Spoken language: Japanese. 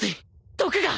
毒が。